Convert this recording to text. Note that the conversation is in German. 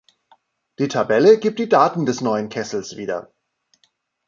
Die Tabelle gibt die Daten des neuen Kessels wieder.